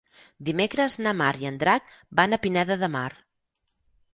Dimecres na Mar i en Drac van a Pineda de Mar.